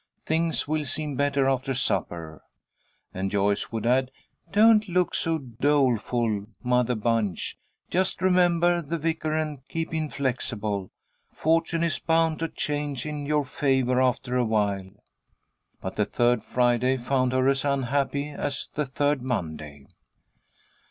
Things will seem better after supper." And Joyce would add, "Don't look so doleful, Mother Bunch; just remember the vicar, and keep inflexible. Fortune is bound to change in your favour after awhile." But the third Friday found her as unhappy as the third Monday.